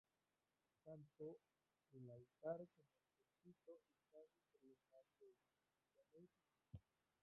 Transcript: Tanto el altar como el púlpito están entre los más bellos de Eslovenia.